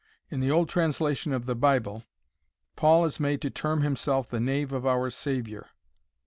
In the old translation of the Bible, Paul is made to term himself the knave of our Saviour.